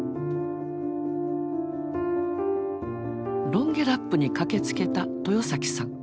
ロンゲラップに駆けつけた豊さん。